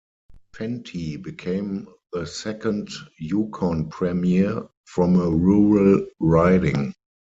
Fentie became the second Yukon Premier from a rural riding.